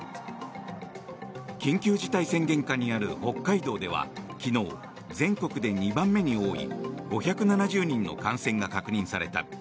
緊急事態宣言下にある北海道では昨日、全国で２番目に多い５７０人の感染が確認された。